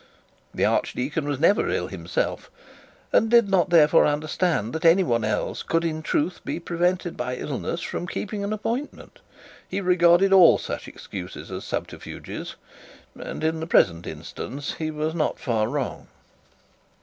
The archdeacon was never ill himself, and did not therefore understand that any one else could in truth be prevented by illness from keeping an appointment. He regarded all such excuses as subterfuges, and in the present instance he was not far wrong.